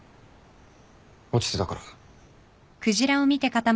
落ちてたから。